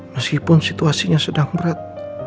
meskipun situasinya sedang berat